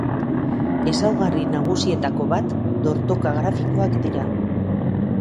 Ezaugarri nagusietako bat dortoka-grafikoak dira.